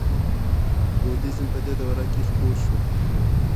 بودیزم په دې دوره کې خپور شو